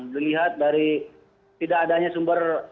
dilihat dari tidak adanya sumber